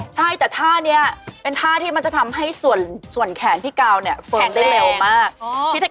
ใช่แต่ท่านี้เป็นท่าที่มันจะทำให้ส่วนแขนพี่กาวเนี่ยฟงได้เร็วมาก